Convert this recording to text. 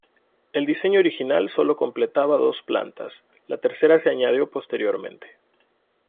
El diseño original solo contemplaba dos plantas, la tercera se añadió posteriormente.